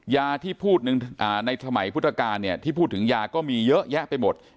ในถมัยพุทธกาลที่พูดถึงยาก็มีเยอะแยะไปหมด